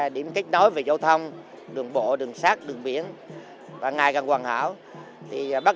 điểm kết nối về giao thông đường bộ đường sát đường biển và ngày càng hoàn hảo thì bắt